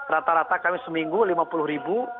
rata rata kami seminggu lima puluh ribu